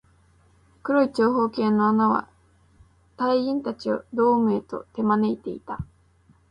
黒い長方形の穴は、隊員達をドームへと手招いていた